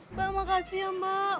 mbak makasih ya mbak